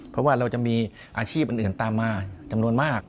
เพราะว่าเราจะมีอาชีพอื่นตามมาจำนวนมาก